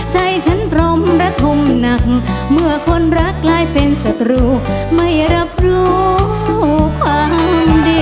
ใจฉันพรมระทมหนักเมื่อคนรักกลายเป็นศัตรูไม่รับรู้ความดี